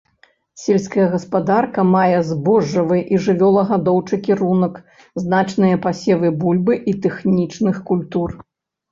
Сельская гаспадарка мае збожжавы і жывёлагадоўчы кірунак, значныя пасевы бульбы і тэхнічных культур.